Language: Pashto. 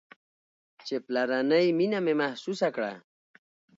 چې پلرنۍ مينه مې محسوسه کړه.